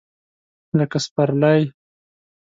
لکه سپرلی !